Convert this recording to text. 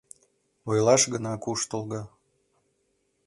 Ойлаш гына куштылго...